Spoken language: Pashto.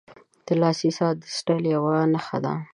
• د لاس ساعت د سټایل یوه نښه ده.